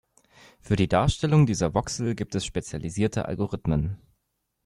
Für die Darstellung dieser Voxel gibt es spezialisierte Algorithmen.